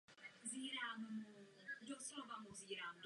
O rok později v Realu vyhrál španělskou La Ligu.